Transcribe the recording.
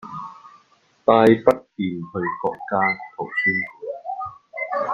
帶筆電去國家圖書館